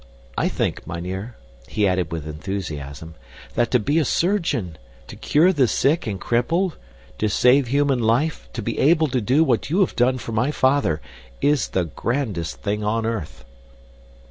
I think, mynheer," he added with enthusiasm, "that to be a surgeon, to cure the sick and crippled, to save human life, to be able to do what you have done for my father, is the grandest thing on earth."